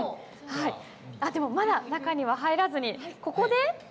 あっでもまだ中には入らずにここで質問です。